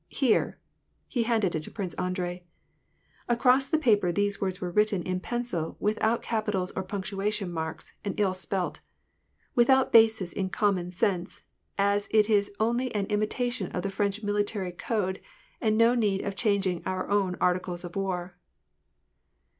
"Here !" he handed it to Prince Andrei. Across the paper these words were written in pencil, with out capitals or punctuation marks, and ill spelt :^^ without basis in common cence as it is only an imitation of the french mili tary coad and no need of changing our own articles of war."